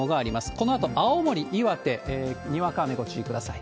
このあと青森、岩手、にわか雨ご注意ください。